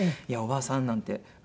「いやおばあさん」なんて。